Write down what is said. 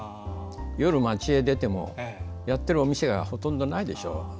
夜、街へ出てもやっているお店がほとんどないでしょ。